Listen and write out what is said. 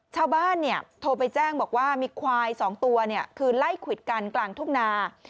ชาวบ้านโทรไปแจ้งบอกว่ามีควาย๒ตัวคือไล่ควิดกันกลางทุ่งนา